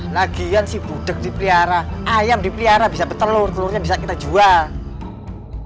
lagian si budeg dipelihara ayam dipelihara bisa bertelur telurnya bisa kita jual